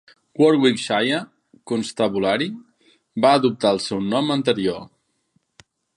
Warwickshire Constabulary va adoptar el seu nom anterior.